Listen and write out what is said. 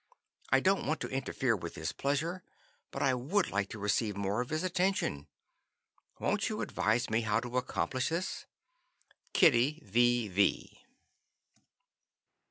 I don't want to interfere with his pleasure, but I would like to receive more of his attention. Won't you advise me how to accomplish this? "Kittie V. V."